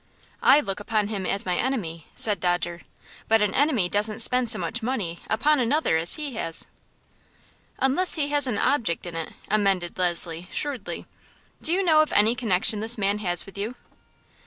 "I look upon him as my enemy," said Dodger. "But an enemy doesn't spend so much money upon another as he has." "Unless he has object in it," amended Leslie, shrewdly. "Do you know of any connection this man has with you?"